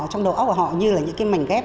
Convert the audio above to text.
trong đầu óc của họ như là những cái mảnh ghép